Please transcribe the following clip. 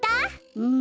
うん。